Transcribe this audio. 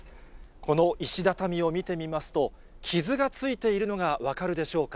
この石畳を見てみますと、傷がついているのが分かるでしょうか。